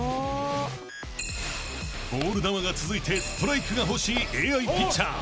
［ボール球が続いてストライクが欲しいＡＩピッチャー］